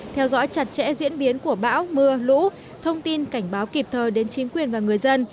theo dõi chặt chẽ diễn biến của bão mưa lũ thông tin cảnh báo kịp thời đến chính quyền và người dân